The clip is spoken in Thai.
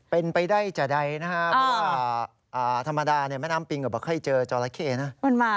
เป็นไปได้จากใดนะครับเพราะว่าธรรมดาแม่น้ำปิงก็บอกให้เจอจอราเข้นะ